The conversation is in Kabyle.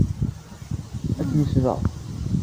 Ad t-nesbeɣ.